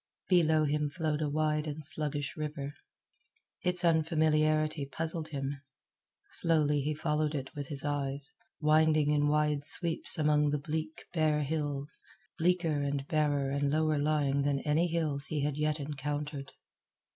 Below him flowed a wide and sluggish river. Its unfamiliarity puzzled him. Slowly he followed it with his eyes, winding in wide sweeps among the bleak, bare hills, bleaker and barer and lower lying than any hills he had yet encountered.